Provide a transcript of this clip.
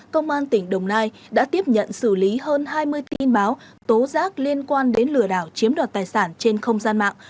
công an tỉnh đồng nai đã tiếp nhận xử lý hơn hai mươi tin báo tố giác liên quan đến lừa đảo chiếm đoạt tài sản trên không gian mạng